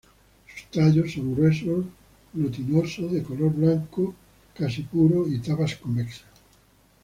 Sus tallos son gruesos, glutinoso, de color blanco casi puro y tapas convexas.